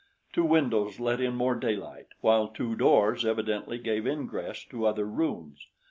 Two windows let in more daylight, while two doors evidently gave ingress to other rooms.